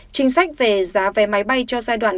chính sách về giá vé máy bay cho giai đoạn